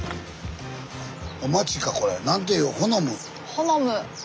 ホノム。